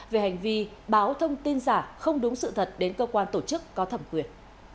về hành vi báo thông tin giả không đúng sự thật đến cơ quan tổ chức có thẩm quyền